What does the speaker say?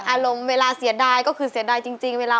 อารมณ์เวลาเสียดายก็คือเสียดายจริง